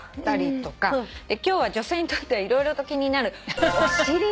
今日は女性にとっては色々と気になる。